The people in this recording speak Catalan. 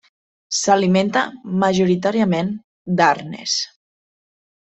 S'alimenta majoritàriament d'arnes.